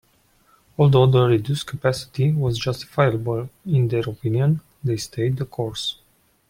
Although the reduced capacity was justifiable in their opinion, they stayed the course.